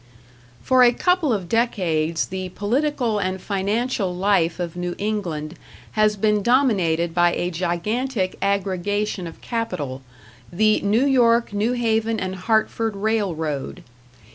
For a couple of decades the political and financial life of New England has been dominated by a gigantic aggregation of capital, the New York, New Haven and Hartford Railroad.